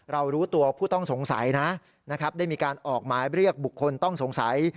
รู้ตัวผู้ต้องสงสัยนะนะครับได้มีการออกหมายเรียกบุคคลต้องสงสัย